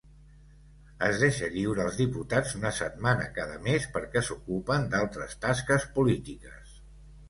Es deixa lliure als diputats una setmana cada mes perquè s'ocupen d'altres tasques polítiques.